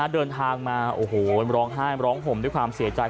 เดินทางมาโอ้โหร้องไห้ร้องห่มด้วยความเสียใจ